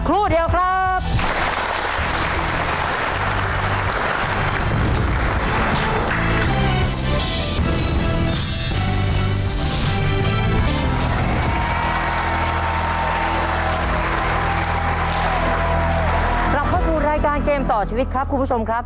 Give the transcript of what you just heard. ราบครับครับคุณผู้ชม